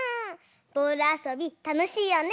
ボールあそびたのしいよね！